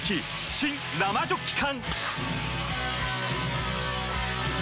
新・生ジョッキ缶！